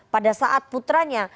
pada saat putranya